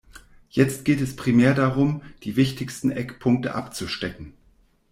Jetzt geht es primär darum, die wichtigsten Eckpunkte abzustecken.